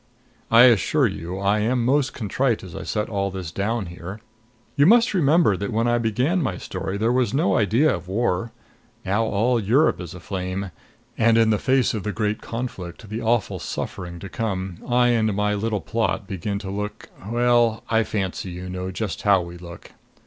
I assure you, I am most contrite as I set all this down here. You must remember that when I began my story there was no idea of war. Now all Europe is aflame; and in the face of the great conflict, the awful suffering to come, I and my little plot begin to look well, I fancy you know just how we look.